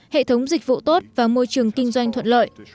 hệ thống dịch vụ tốt và môi trường kinh doanh thuận lợi